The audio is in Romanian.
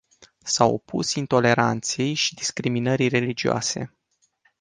S-a opus intoleranței și discriminării religioase.